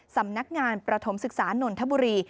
สำนักงานประถมศึกษานนทบุรี